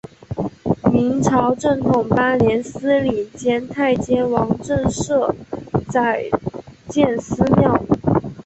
明朝正统八年司礼监太监王振舍宅建私庙。